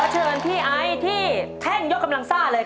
ขอเชิญพี่ไอ้ที่แท่งยกกำลังซ่าเลย